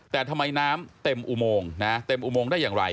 แต่ทำไมน้ำเต็มอุโมงนะเต็มอุโมงได้อย่างไร